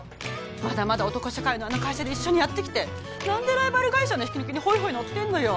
まだまだ男社会のあの会社で一緒にやってきて何でライバル会社の引き抜きにホイホイ乗ってんのよ？